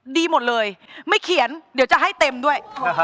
ดีหมดเลยไม่เขียนเดี๋ยวจะให้เต็มด้วย